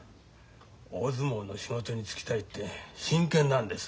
大相撲の仕事に就きたいって真剣なんです。